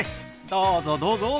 どうぞどうぞ。